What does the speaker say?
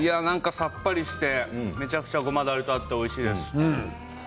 さっぱりしてめちゃくちゃごまだれと合っておいしいです。